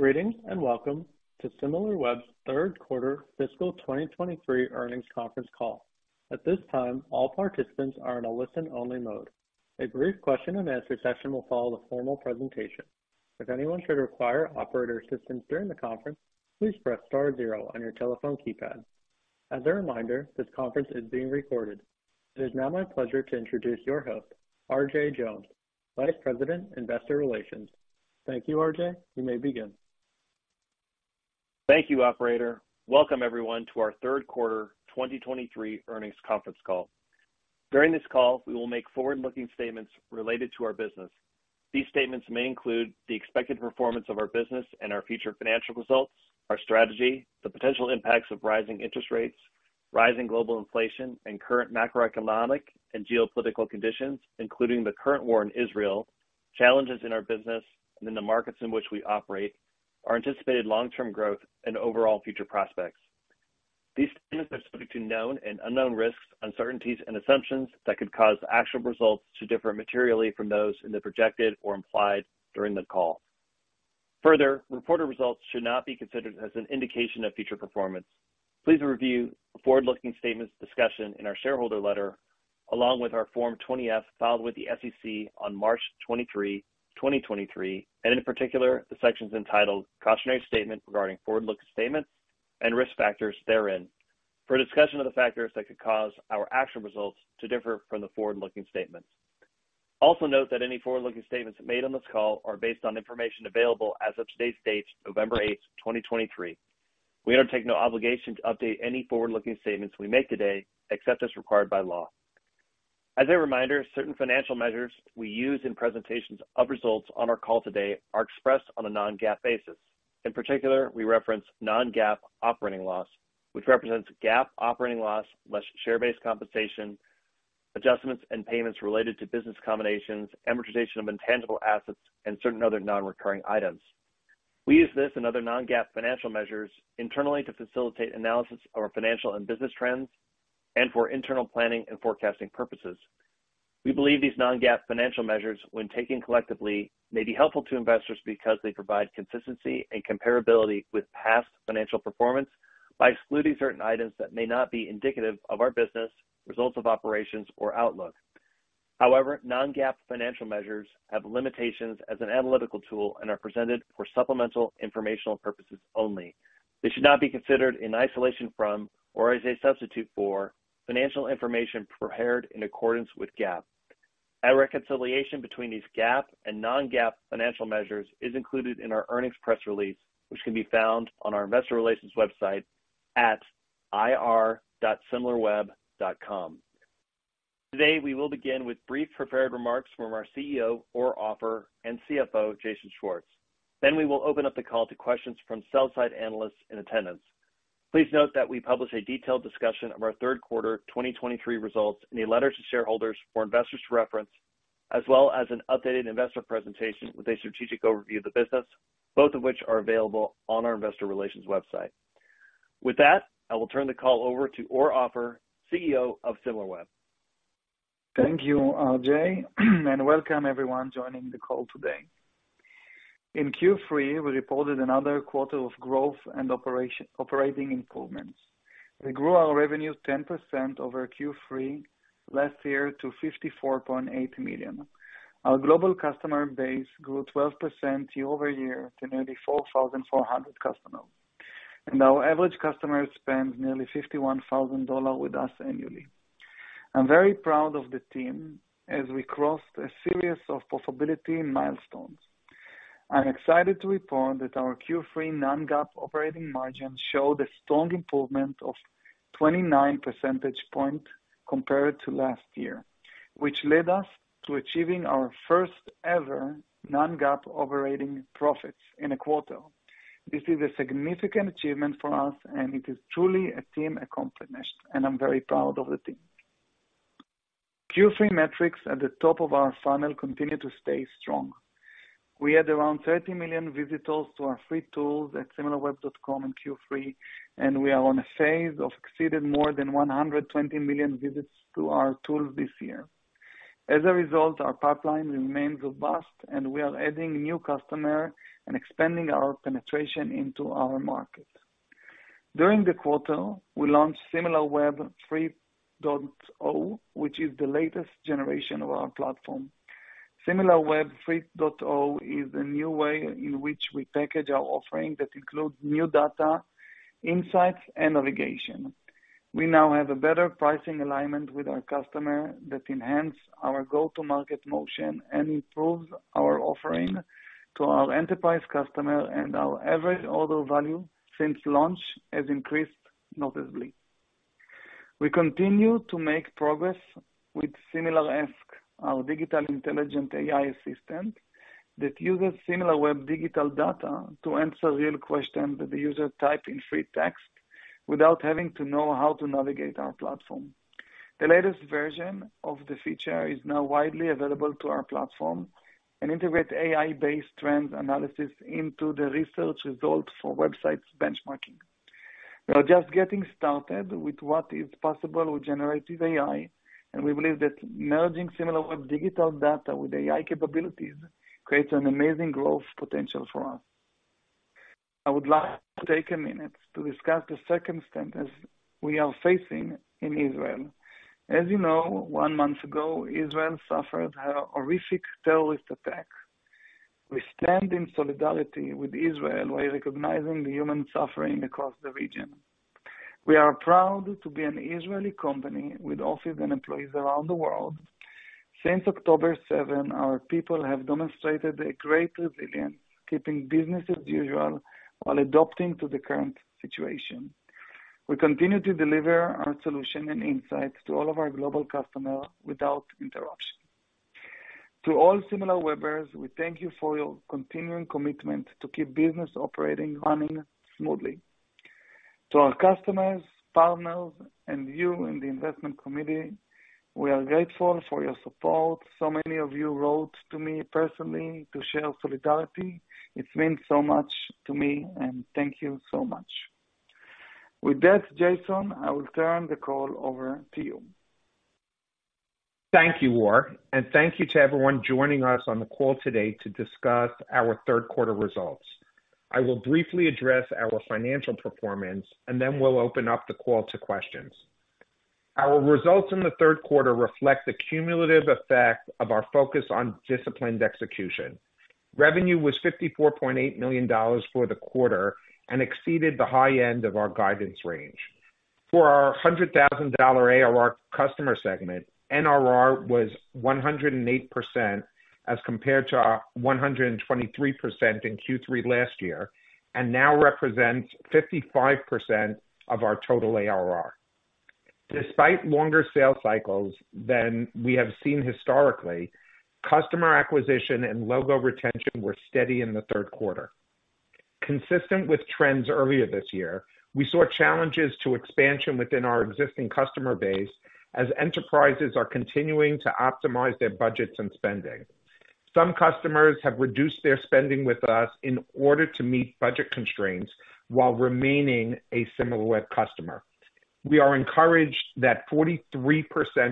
Greetings, and welcome to Similarweb's Third Quarter Fiscal 2023 Earnings Conference Call. At this time, all participants are in a listen-only mode. A brief question and answer session will follow the formal presentation. If anyone should require operator assistance during the conference, please press star zero on your telephone keypad. As a reminder, this conference is being recorded. It is now my pleasure to introduce your host, RJ Jones, Vice President, Investor Relations. Thank you, RJ. You may begin. Thank you, operator. Welcome everyone to our third quarter 2023 earnings conference call. During this call, we will make forward-looking statements related to our business. These statements may include the expected performance of our business and our future financial results, our strategy, the potential impacts of rising interest rates, rising global inflation, and current macroeconomic and geopolitical conditions, including the current war in Israel, challenges in our business and in the markets in which we operate, our anticipated long-term growth and overall future prospects. These statements are subject to known and unknown risks, uncertainties, and assumptions that could cause actual results to differ materially from those in the projected or implied during the call. Further, reported results should not be considered as an indication of future performance. Please review the forward-looking statements discussion in our shareholder letter, along with our Form 20-F, filed with the SEC on March 23rd, 2023, and in particular, the sections entitled Cautionary Statement regarding forward-looking statements and Risk Factors therein, for a discussion of the factors that could cause our actual results to differ from the forward-looking statements. Also, note that any forward-looking statements made on this call are based on information available as of today's date, November 8th, 2023. We undertake no obligation to update any forward-looking statements we make today, except as required by law. As a reminder, certain financial measures we use in presentations of results on our call today are expressed on a non-GAAP basis. In particular, we reference non-GAAP operating loss, which represents GAAP operating loss, less share-based compensation, adjustments and payments related to business combinations, amortization of intangible assets, and certain other non-recurring items. We use this and other non-GAAP financial measures internally to facilitate analysis of our financial and business trends and for internal planning and forecasting purposes. We believe these non-GAAP financial measures, when taken collectively, may be helpful to investors because they provide consistency and comparability with past financial performance by excluding certain items that may not be indicative of our business, results of operations or outlook. However, non-GAAP financial measures have limitations as an analytical tool and are presented for supplemental informational purposes only. They should not be considered in isolation from or as a substitute for financial information prepared in accordance with GAAP. A reconciliation between these GAAP and non-GAAP financial measures is included in our earnings press release, which can be found on our investor relations website at ir.similarweb.com. Today, we will begin with brief prepared remarks from our CEO, Or Offer, and CFO, Jason Schwartz. Then we will open up the call to questions from sell-side analysts in attendance. Please note that we publish a detailed discussion of our third quarter 2023 results in a letter to shareholders for investors to reference, as well as an updated investor presentation with a strategic overview of the business, both of which are available on our investor relations website. With that, I will turn the call over to Or Offer, CEO of Similarweb. Thank you, RJ, and welcome everyone joining the call today. In Q3, we reported another quarter of growth and operating improvements. We grew our revenue 10% over Q3 last year to $54.8 million. Our global customer base grew 12% year-over-year to nearly 4,400 customers, and our average customer spends nearly $51,000 with us annually. I'm very proud of the team as we crossed a series of profitability milestones. I'm excited to report that our Q3 non-GAAP operating margin showed a strong improvement of 29 percentage points compared to last year, which led us to achieving our first ever non-GAAP operating profits in a quarter. This is a significant achievement for us, and it is truly a team accomplishment, and I'm very proud of the team. Q3 metrics at the top of our funnel continue to stay strong. We had around 30 million visitors to our free tools at Similarweb.com in Q3, and we are on a phase of exceeding more than 120 million visits to our tools this year. As a result, our pipeline remains robust, and we are adding new customer and expanding our penetration into our market. During the quarter, we launched Similarweb 3.0, which is the latest generation of our platform. Similarweb 3.0 is a new way in which we package our offering that includes new data, insights, and navigation. We now have a better pricing alignment with our customer that enhance our go-to-market motion and improves our offering to our enterprise customer, and our average order value since launch has increased noticeably. We continue to make progress with SimilarAsk, our digital intelligence AI assistant, that uses Similarweb digital data to answer real questions that the user types in free text without having to know how to navigate our platform. The latest version of the feature is now widely available to our platform and integrates AI-based trend analysis into the research results for websites benchmarking. We are just getting started with what is possible with generative AI, and we believe that merging Similarweb digital data with AI capabilities creates an amazing growth potential for us. I would like to take a minute to discuss the circumstances we are facing in Israel. As you know, one month ago, Israel suffered a horrific terrorist attack. We stand in solidarity with Israel while recognizing the human suffering across the region. We are proud to be an Israeli company with offices and employees around the world. Since October seven, our people have demonstrated a great resilience, keeping business as usual while adapting to the current situation. We continue to deliver our solution and insights to all of our global customers without interruption. To all Similarwebbers, we thank you for your continuing commitment to keep business operating, running smoothly. To our customers, partners, and you in the investment committee, we are grateful for your support. So many of you wrote to me personally to share solidarity. It means so much to me, and thank you so much. With that, Jason, I will turn the call over to you. Thank you, Or, and thank you to everyone joining us on the call today to discuss our third quarter results. I will briefly address our financial performance, and then we'll open up the call to questions. Our results in the third quarter reflect the cumulative effect of our focus on disciplined execution. Revenue was $54.8 million for the quarter and exceeded the high end of our guidance range. For our $100,000 ARR customer segment, NRR was 108%, as compared to 123% in Q3 last year, and now represents 55% of our total ARR. Despite longer sales cycles than we have seen historically, customer acquisition and logo retention were steady in the third quarter. Consistent with trends earlier this year, we saw challenges to expansion within our existing customer base as enterprises are continuing to optimize their budgets and spending. Some customers have reduced their spending with us in order to meet budget constraints while remaining a Similarweb customer. We are encouraged that 43%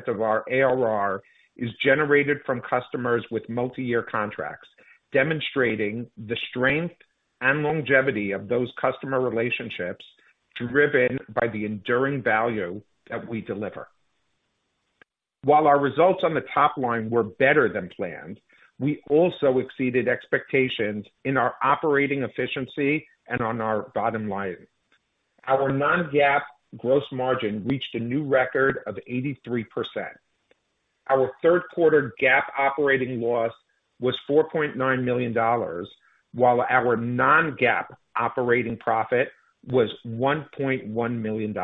of our ARR is generated from customers with multi-year contracts, demonstrating the strength and longevity of those customer relationships, driven by the enduring value that we deliver. While our results on the top line were better than planned, we also exceeded expectations in our operating efficiency and on our bottom line. Our non-GAAP gross margin reached a new record of 83%. Our third quarter GAAP operating loss was $4.9 million, while our non-GAAP operating profit was $1.1 million.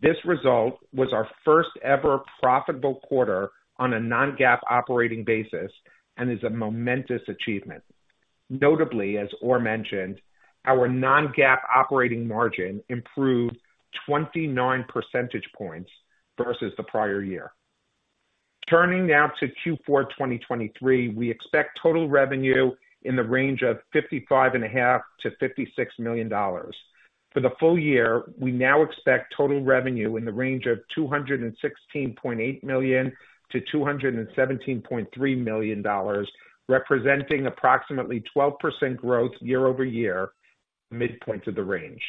This result was our first ever profitable quarter on a non-GAAP operating basis and is a momentous achievement. Notably, as Or mentioned, our non-GAAP operating margin improved 29 percentage points versus the prior year. Turning now to Q4 2023, we expect total revenue in the range of $55.5 million-$56 million. For the full year, we now expect total revenue in the range of $216.8 million-$217.3 million, representing approximately 12% growth year-over-year, midpoint of the range.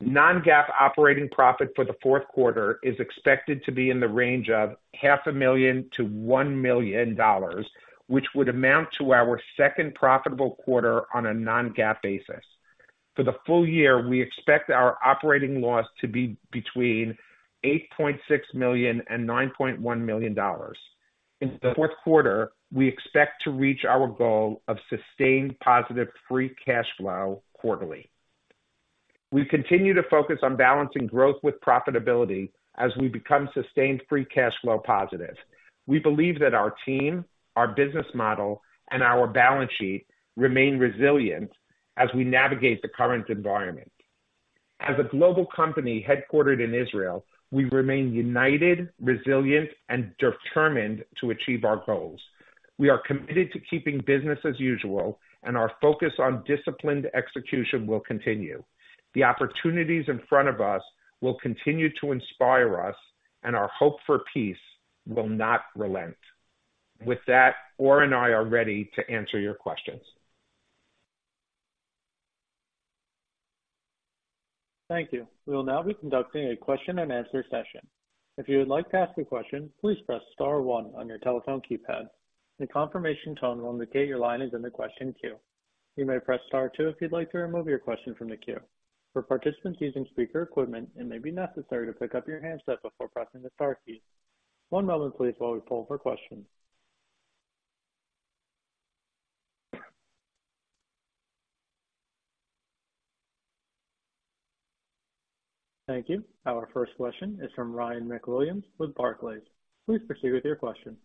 Non-GAAP operating profit for the fourth quarter is expected to be in the range of $500,000-$1 million, which would amount to our second profitable quarter on a non-GAAP basis. For the full year, we expect our operating loss to be between $8.6 million and $9.1 million. In the fourth quarter, we expect to reach our goal of sustained positive free cash flow quarterly. We continue to focus on balancing growth with profitability as we become sustained free cash flow positive. We believe that our team, our business model, and our balance sheet remain resilient as we navigate the current environment. As a global company headquartered in Israel, we remain united, resilient, and determined to achieve our goals. We are committed to keeping business as usual, and our focus on disciplined execution will continue. The opportunities in front of us will continue to inspire us, and our hope for peace will not relent. With that, Or and I are ready to answer your questions. Thank you. We will now be conducting a question and answer session. If you would like to ask a question, please press star one on your telephone keypad. A confirmation tone will indicate your line is in the question queue. You may press star two if you'd like to remove your question from the queue. For participants using speaker equipment, it may be necessary to pick up your handset before pressing the star key. One moment, please, while we poll for questions. Thank you. Our first question is from Ryan MacWilliams with Barclays. Please proceed with your question.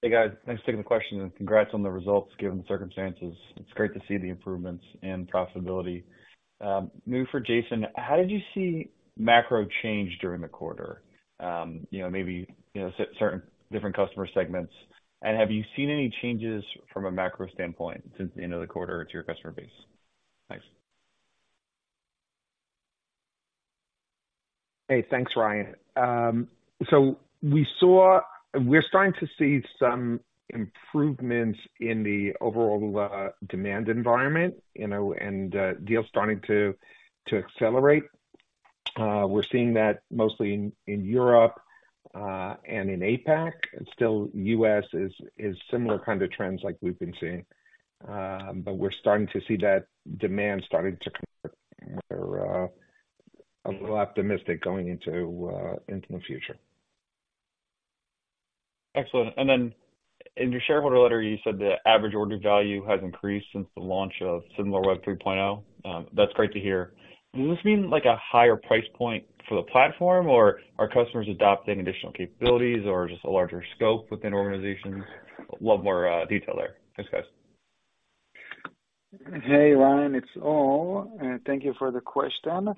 Hey, guys. Thanks for taking the question, and congrats on the results, given the circumstances. It's great to see the improvements in profitability. Maybe for Jason, how did you see macro change during the quarter? You know, maybe, you know, certain different customer segments. And have you seen any changes from a macro standpoint since the end of the quarter to your customer base? Thanks. Hey, thanks, Ryan. So we're starting to see some improvements in the overall demand environment, you know, and deals starting to accelerate. We're seeing that mostly in Europe and in APAC. And still, U.S. is similar kind of trends like we've been seeing. But we're starting to see that demand starting to convert. We're a little optimistic going into the future. Excellent. And then in your shareholder letter, you said the average order value has increased since the launch of Similarweb 3.0. That's great to hear. Does this mean like a higher price point for the platform, or are customers adopting additional capabilities, or just a larger scope within organizations? A lot more detail there. Thanks, guys. Hey, Ryan, it's Or. Thank you for the question.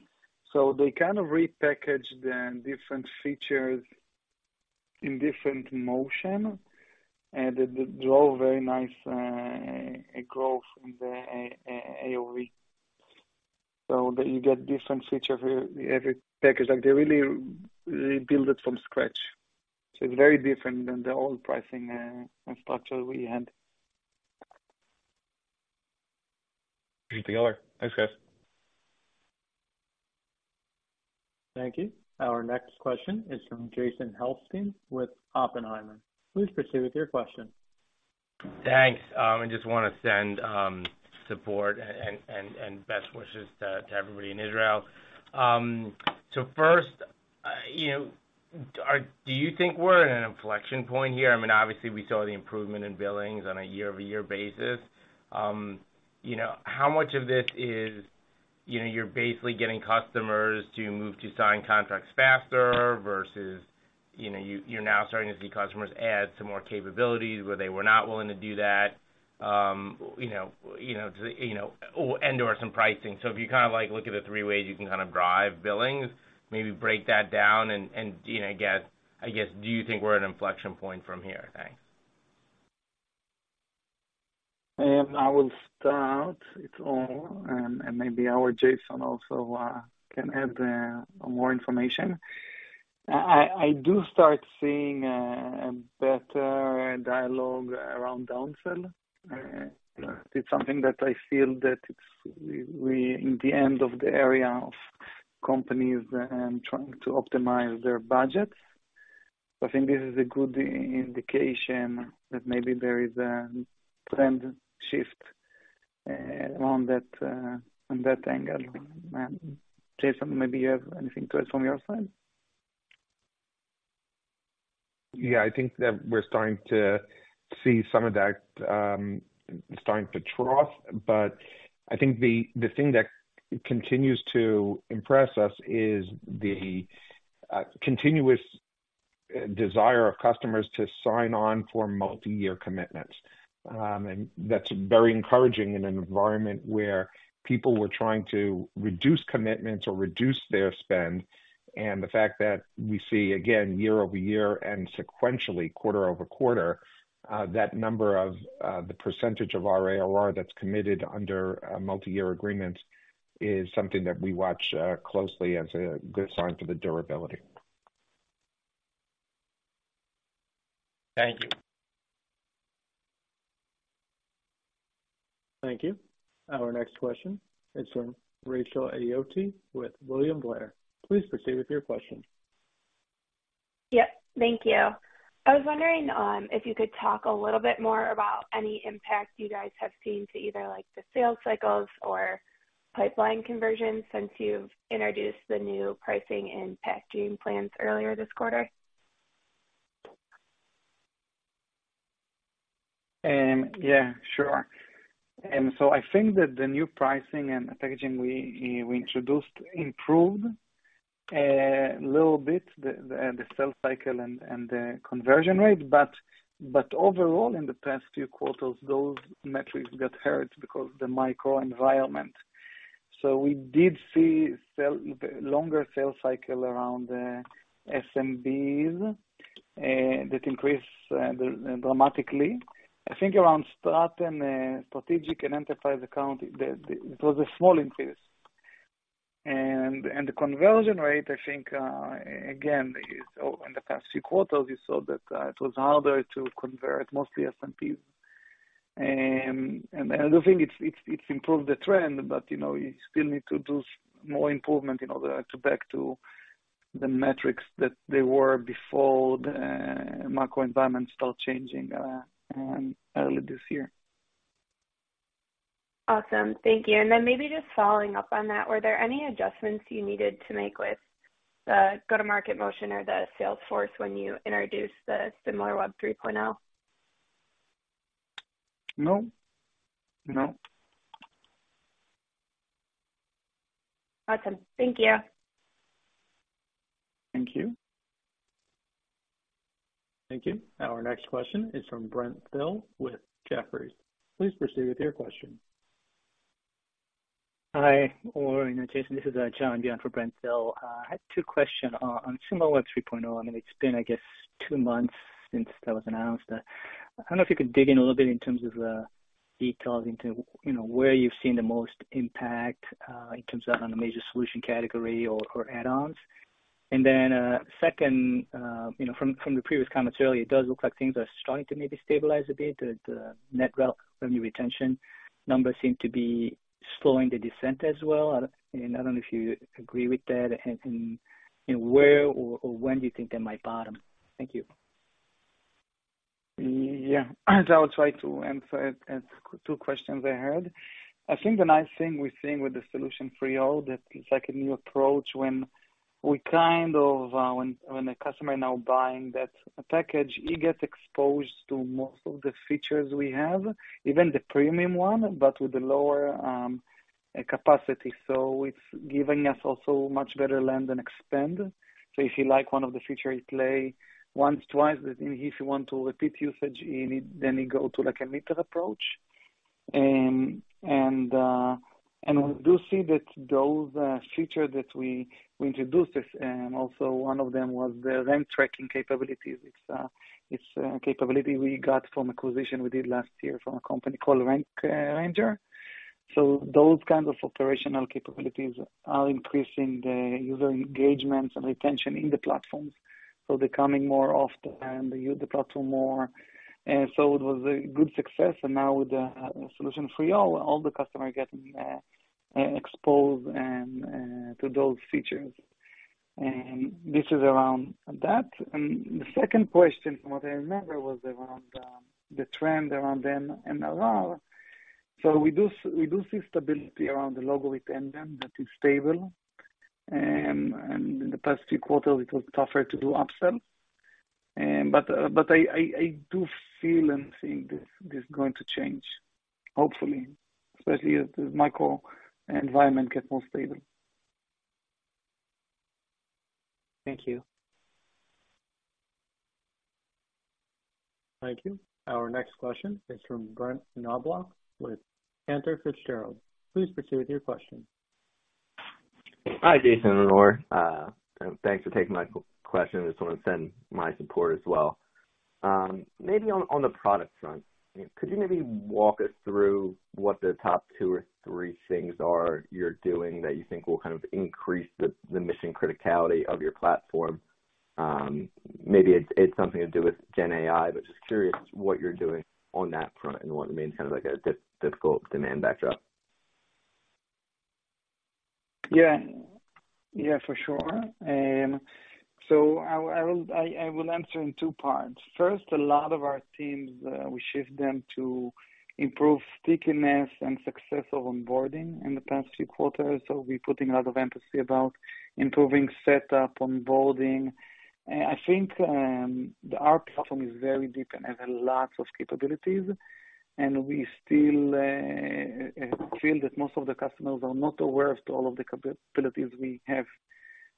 So they kind of repackaged the different features in different motion, and it drove very nice growth in the AOV. So you get different feature for every package. Like, they really rebuild it from scratch. So it's very different than the old pricing structure we had. Good to hear. Thanks, guys. Thank you. Our next question is from Jason Helfstein with Oppenheimer. Please proceed with your question. Thanks. I just want to send support and best wishes to everybody in Israel. So first, you know, do you think we're at an inflection point here? I mean, obviously we saw the improvement in billings on a year-over-year basis. You know, how much of this is, you know, you're basically getting customers to move to sign contracts faster versus, you know, you're now starting to see customers add some more capabilities where they were not willing to do that, you know, you know, to, you know, and/or some pricing. So if you kind of, like, look at the three ways you can kind of drive billings, maybe break that down and, you know, I guess, do you think we're at an inflection point from here? Thanks. I will start. It's Or, and maybe our Jason also can add more information. I do start seeing a better dialogue around downsell. It's something that I feel that it's we in the end of the era of companies trying to optimize their budgets. I think this is a good indication that maybe there is a trend shift around that on that angle. And, Jason, maybe you have anything to add from your side? Yeah, I think that we're starting to see some of that, starting to trough. But I think the thing that continues to impress us is the continuous desire of customers to sign on for multi-year commitments. And that's very encouraging in an environment where people were trying to reduce commitments or reduce their spend. And the fact that we see again, year-over-year and sequentially, quarter-over-quarter, that number of the percentage of our ARR that's committed under multi-year agreements is something that we watch closely as a good sign for the durability. Thank you. Thank you. Our next question is from Rachel Adeoti with William Blair. Please proceed with your question. Yep. Thank you. I was wondering, if you could talk a little bit more about any impact you guys have seen to either, like, the sales cycles or pipeline conversion since you've introduced the new pricing and packaging plans earlier this quarter? Yeah, sure. And so I think that the new pricing and packaging we introduced improved a little bit the sales cycle and the conversion rate. But overall, in the past few quarters, those metrics got hurt because of the microenvironment. So we did see longer sales cycle around the SMBs that increased dramatically. I think around strat and strategic and enterprise account, it was a small increase. And the conversion rate, I think again, in the past few quarters, you saw that it was harder to convert mostly SMBs. And I do think it's improved the trend, but you know, you still need to do more improvement in order to back to the metrics that they were before the macroenvironment start changing early this year. Awesome. Thank you. And then maybe just following up on that, were there any adjustments you needed to make with the go-to-market motion or the sales force when you introduced the Similarweb 3.0? No. No. Awesome. Thank you. Thank you. Thank you. Our next question is from Brent Thill with Jefferies. Please proceed with your question. Hi, Or and Jason, this is John Byun for Brent Thill. I had two questions on Similarweb 3.0. I mean, it's been, I guess, two months since that was announced. I don't know if you could dig in a little bit in terms of details into, you know, where you've seen the most impact in terms of on the major solution category or add-ons. And then, second, you know, from the previous comments earlier, it does look like things are starting to maybe stabilize a bit. The net revenue retention numbers seem to be slowing the descent as well. And I don't know if you agree with that, and where or when do you think they might bottom? Thank you. Yeah. I will try to answer it, two questions I heard. I think the nice thing we're seeing with the Similarweb 3.0, that it's like a new approach when we kind of, when a customer now buying that package, he gets exposed to most of the features we have, even the premium one, but with the lower, capacity. So it's giving us also much better land-and-expand. So if you like one of the feature, you play once, twice, and if you want to repeat usage, you need, then you go to, like, a ladder approach. And we do see that those features that we introduced, and also one of them was the rank tracking capabilities. It's a capability we got from acquisition we did last year from a company called Rank Ranger. So those kinds of operational capabilities are increasing the user engagement and retention in the platforms, so they're coming more often, and they use the platform more. So it was a good success. Now with the Solution 3.0, all the customers getting exposed and to those features, and this is around that. The second question, from what I remember, was around the trend around the NRR. So we do see stability around the net retention that is stable, and in the past few quarters, it was tougher to do upsell. But I do feel and think this is going to change, hopefully, especially as the macro environment gets more stable. Thank you. Thank you. Our next question is from Brett Knoblauch with Cantor Fitzgerald. Please proceed with your question. Hi, Jason and Or. Thanks for taking my question. I just want to send my support as well. Maybe on the product front, could you maybe walk us through what the top two or three things are you're doing that you think will kind of increase the mission criticality of your platform? Maybe it's something to do with Gen AI, but just curious what you're doing on that front and what it means, kind of like a difficult demand backdrop. Yeah. Yeah, for sure. So I will answer in two parts. First, a lot of our teams, we shift them to improve stickiness and success of onboarding in the past few quarters, so we're putting a lot of emphasis about improving setup, onboarding. I think our platform is very deep and has a lot of capabilities, and we still feel that most of the customers are not aware of to all of the capabilities we have.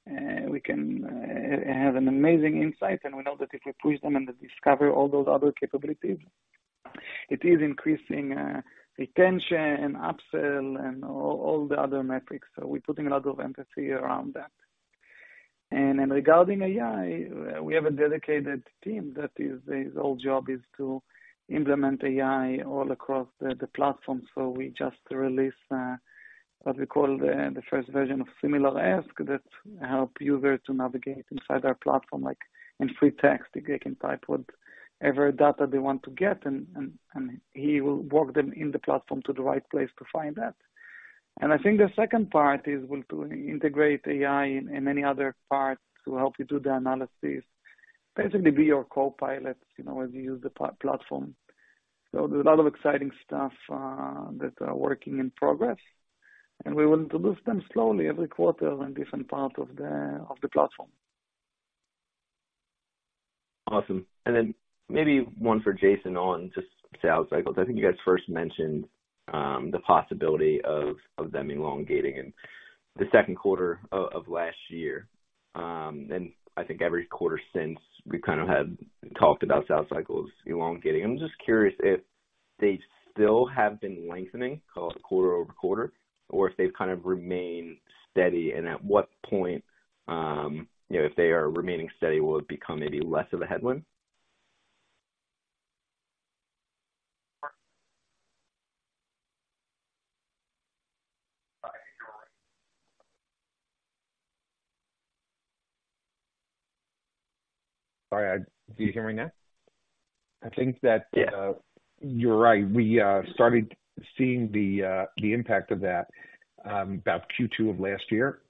We can have an amazing insight, and we know that if you push them and discover all those other capabilities, it is increasing retention and upsell and all, all the other metrics. So we're putting a lot of emphasis around that. And then regarding AI, we have a dedicated team that is, his whole job is to implement AI all across the platform. So we just released what we call the first version of SimilarAsk, that help users to navigate inside our platform, like in free text. They can type whatever data they want to get, and he will walk them in the platform to the right place to find that. And I think the second part is we'll do integrate AI in many other parts to help you do the analysis, basically be your copilot, you know, as you use the platform. So there's a lot of exciting stuff that are working in progress, and we will introduce them slowly every quarter in different parts of the platform. Awesome. And then maybe one for Jason on, just sales cycles. I think you guys first mentioned the possibility of them elongating in the second quarter of last year. And I think every quarter since we've kind of had talked about sales cycles elongating. I'm just curious if they still have been lengthening quarter-over-quarter, or if they've kind of remained steady, and at what point, you know, if they are remaining steady, will it become maybe less of a headwind? Sorry, are you hearing that? I think that- Yeah. You're right. We started seeing the impact of that about Q2 of last year.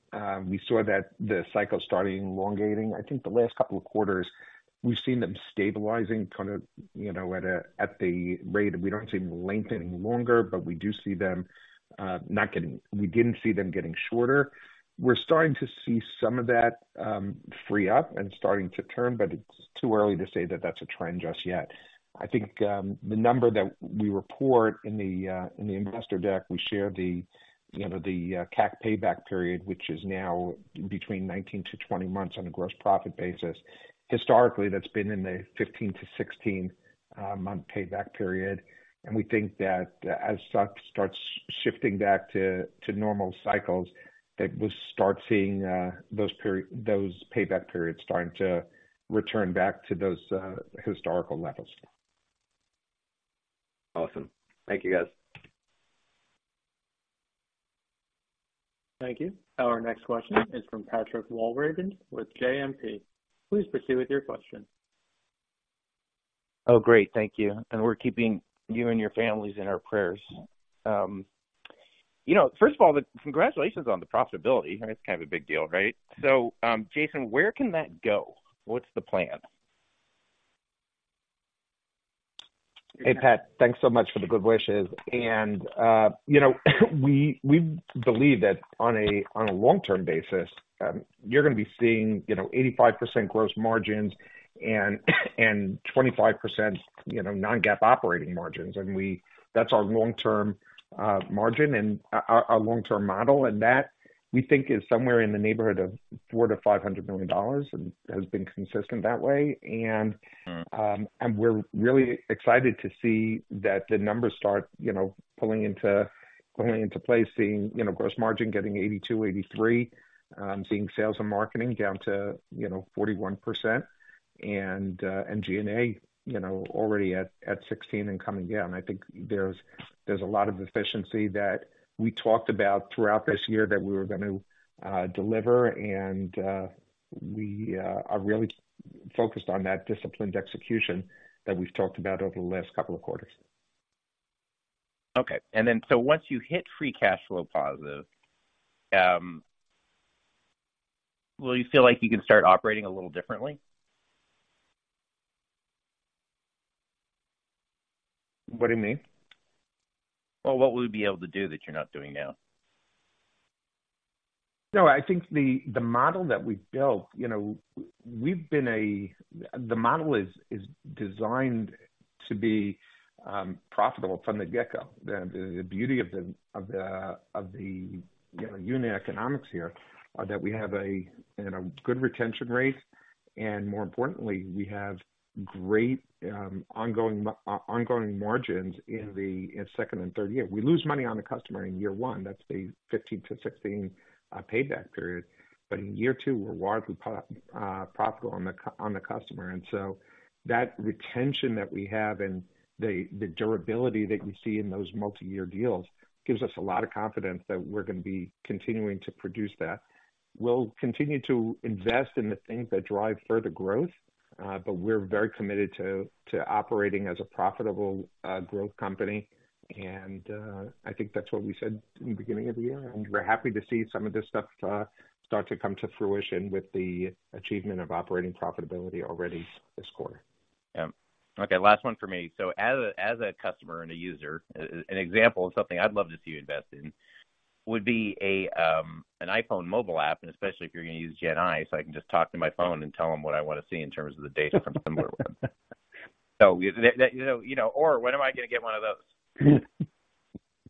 We saw that the cycle starting elongating. I think the last couple of quarters, we've seen them stabilizing, kind of, you know, at the rate. We don't see them lengthening longer, but we do see them not getting. We didn't see them getting shorter. We're starting to see some of that, free up and starting to turn, but it's too early to say that that's a trend just yet. I think the number that we report in the investor deck, we share the, you know, the CAC payback period, which is now between 19-20 months on a gross profit basis. Historically, that's been in the 15-16 month payback period, and we think that as stuff starts shifting back to normal cycles, that we'll start seeing those payback periods starting to return back to those historical levels. Awesome. Thank you, guys. Thank you. Our next question is from Patrick Walravens with JMP. Please proceed with your question. Oh, great. Thank you. And we're keeping you and your families in our prayers. You know, first of all, congratulations on the profitability. I mean, it's kind of a big deal, right? So, Jason, where can that go? What's the plan? Hey, Pat, thanks so much for the good wishes. And you know, we believe that on a long-term basis, you're gonna be seeing, you know, 85% gross margins and 25%, you know, non-GAAP operating margins. And we. That's our long-term margin and our long-term model, and that we think is somewhere in the neighborhood of $400 million-$500 million and has been consistent that way. And- Mm. And we're really excited to see that the numbers start, you know, pulling into, pulling into place, seeing, you know, gross margin getting 82%-83%. Seeing sales and marketing down to, you know, 41% and G&A, you know, already at 16% and coming down. I think there's a lot of efficiency that we talked about throughout this year that we were gonna deliver, and we are really focused on that disciplined execution that we've talked about over the last couple of quarters. Okay, and then, so once you hit free cash flow positive, will you feel like you can start operating a little differently? What do you mean? Well, what will you be able to do that you're not doing now? No, I think the model that we've built, you know, The model is designed to be profitable from the get-go. The beauty of the unit economics here are that we have a good retention rate, and more importantly, we have great ongoing margins in the second and third year. We lose money on the customer in year one. That's a 15-16 payback period. But in year two, we're wildly profitable on the customer. And so that retention that we have and the durability that you see in those multiyear deals gives us a lot of confidence that we're gonna be continuing to produce that. We'll continue to invest in the things that drive further growth, but we're very committed to operating as a profitable growth company. And I think that's what we said in the beginning of the year, and we're happy to see some of this stuff start to come to fruition with the achievement of operating profitability already this quarter. Yeah. Okay, last one for me. So as a customer and a user, an example of something I'd love to see you invest in would be an iPhone mobile app, and especially if you're gonna use GenAI, so I can just talk to my phone and tell them what I want to see in terms of the data from somewhere. So, that, you know, you know, Or, when am I gonna get one of those?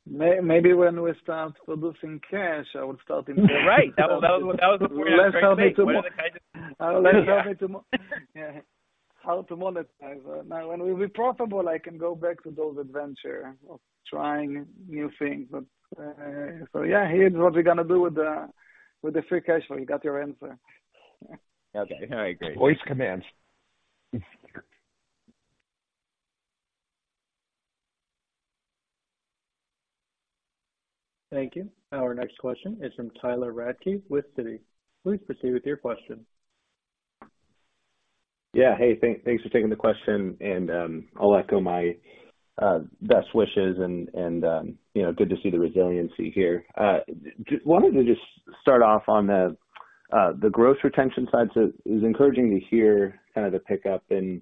Maybe when we start producing cash, I will start investing. Right. That was what we. Let's tell me tomorrow. Let's tell me tomorrow. Yeah. How to monetize. Now, when we'll be profitable, I can go back to those adventure of trying new things. But, so yeah, here's what we're gonna do with the, with the free cash flow. You got your answer. Okay. All right, great. Voice commands. Thank you. Our next question is from Tyler Radke with Citi. Please proceed with your question. Yeah. Hey, thanks for taking the question, and I'll echo my best wishes, and you know, good to see the resiliency here. Just wanted to just start off on the gross retention side. So it was encouraging to hear kind of the pickup and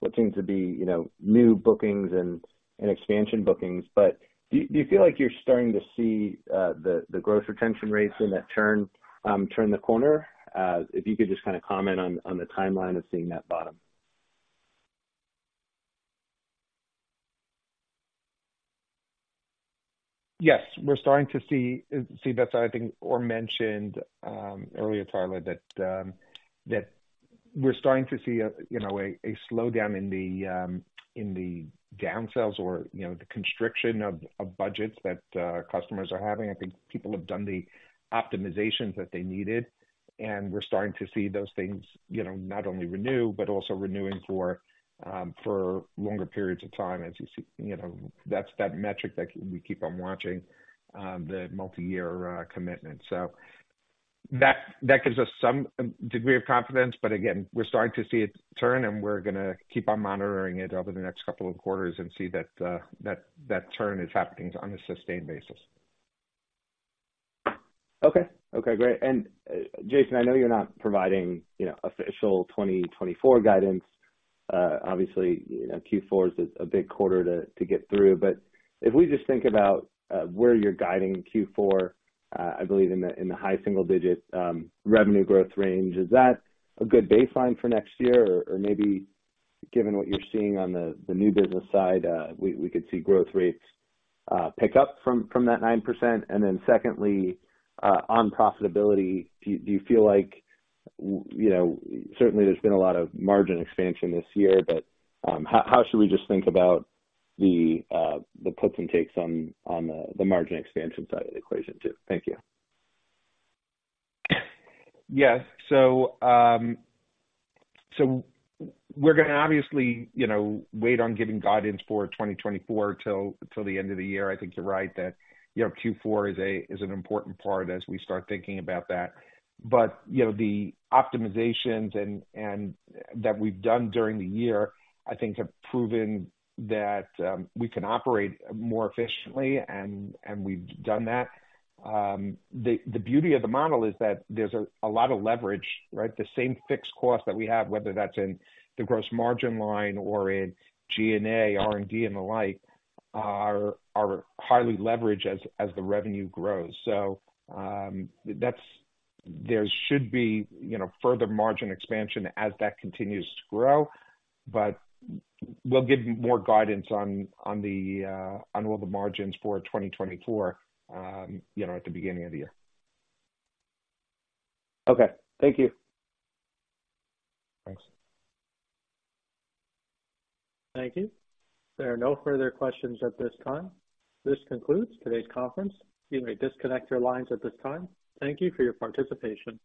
what seems to be, you know, new bookings and expansion bookings. But do you feel like you're starting to see the gross retention rates and that turn the corner? If you could just kind of comment on the timeline of seeing that bottom. Yes, we're starting to see, see that's I think Or mentioned, earlier, Tyler, that, that we're starting to see a, you know, a, a slowdown in the, in the down sales or, you know, the constriction of, of budgets that, customers are having. I think people have done the optimizations that they needed, and we're starting to see those things, you know, not only renew, but also renewing for, for longer periods of time. As you see, you know, that's that metric that we keep on watching, the multiyear, commitment. So that, that gives us some, degree of confidence, but again, we're starting to see it turn, and we're gonna keep on monitoring it over the next couple of quarters and see that, that, that turn is happening on a sustained basis. Okay. Okay, great. And, Jason, I know you're not providing, you know, official 2024 guidance. Obviously, you know, Q4 is a big quarter to get through. But if we just think about where you're guiding Q4, I believe in the high single digit revenue growth range, is that a good baseline for next year? Or maybe given what you're seeing on the new business side, we could see growth rates pick up from that 9%. And then secondly, on profitability, do you feel like, you know, certainly there's been a lot of margin expansion this year, but how should we just think about the puts and takes on the margin expansion side of the equation, too? Thank you. Yes. So, we're gonna obviously, you know, wait on giving guidance for 2024 till the end of the year. I think you're right that, you know, Q4 is an important part as we start thinking about that. But, you know, the optimizations and that we've done during the year, I think, have proven that we can operate more efficiently, and we've done that. The beauty of the model is that there's a lot of leverage, right? The same fixed cost that we have, whether that's in the gross margin line or in G&A, R&D, and the like, are highly leveraged as the revenue grows. That's. There should be, you know, further margin expansion as that continues to grow, but we'll give more guidance on all the margins for 2024, you know, at the beginning of the year. Okay. Thank you. Thanks. Thank you. There are no further questions at this time. This concludes today's conference. You may disconnect your lines at this time. Thank you for your participation.